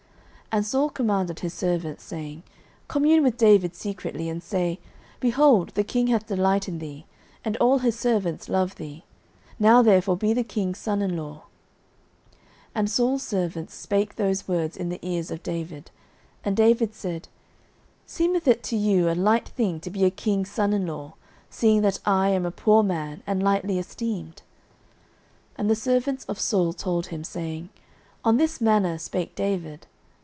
09:018:022 And Saul commanded his servants, saying, Commune with David secretly, and say, Behold, the king hath delight in thee, and all his servants love thee: now therefore be the king's son in law. 09:018:023 And Saul's servants spake those words in the ears of David. And David said, Seemeth it to you a light thing to be a king's son in law, seeing that I am a poor man, and lightly esteemed? 09:018:024 And the servants of Saul told him, saying, On this manner spake David.